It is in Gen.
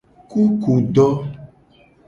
Kukudo.